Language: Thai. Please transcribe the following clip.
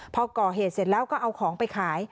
พอก่อเหตุเสร็จแล้วก็เอาของไปขาย